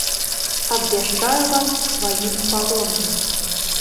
Абвяшчаю вас сваім палонным!